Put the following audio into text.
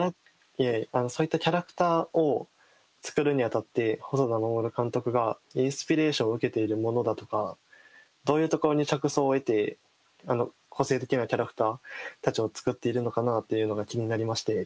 そういったキャラクターを作るにあたって細田守監督がインスピレーションを受けているものだとかどういうところに着想を得てあの個性的なキャラクターたちを作っているのかなっていうのが気になりまして。